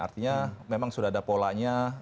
artinya memang sudah ada polanya